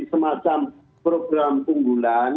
semacam program unggulan